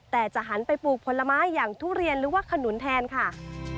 แต่จะหันไปปลูกผลไม้อย่างทุเรียนหรือว่าขนุนแทนค่ะ